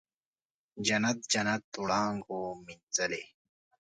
جنت، جنت وړانګو مینځلې